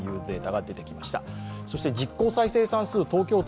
そして実効再生産数、東京都